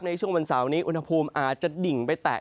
ในช่วงวันเสาร์นี้อุณหภูมิอาจจะดิ่งไปแตะ